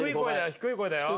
低い声だよ。